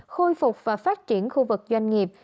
khôi phục và phát triển khu vực doanh nghiệp